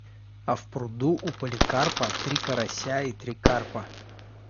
А в пруду у Поликарпа – три карася и три карпа.